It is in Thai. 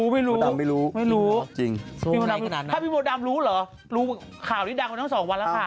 ไม่รู้ไม่รู้ไม่รู้ถ้าพี่มดดำรู้เหรอรู้ข่าวนี้ดังกว่านั้น๒วันแล้วค่ะ